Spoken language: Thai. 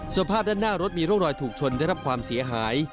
สภาพด้านหน้ารถมีร่องรอยถูกชนได้รับความเสียหาย